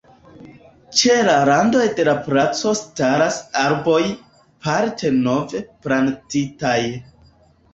Ĉe la randoj de la placo staras arboj, parte nove plantitaj.